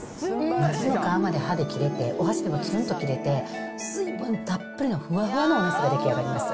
なすの皮まで歯で切れて、お箸でもちゃんと切れて、水分たっぷりのふわふわのおなすが出来上がります。